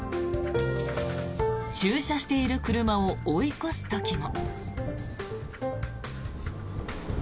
駐車している車を追い越す時も。